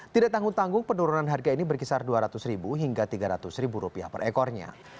tidak tanggung tanggung penurunan harga ini berkisar dua ratus ribu hingga tiga ratus ribu rupiah per ekornya